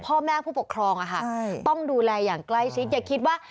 พ่อแม่ผู้ปกครองต้องดูแลอย่างใกล้ชิดอย่าคิดว่า